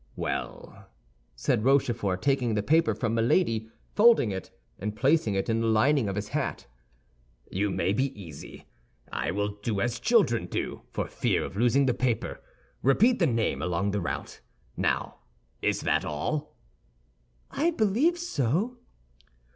"Well," said Rochefort, taking the paper from Milady, folding it, and placing it in the lining of his hat, "you may be easy. I will do as children do, for fear of losing the paper—repeat the name along the route. Now, is that all?" "I believe so."